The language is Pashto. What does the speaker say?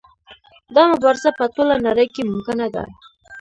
دا مبارزه په ټوله نړۍ کې ممکنه ده.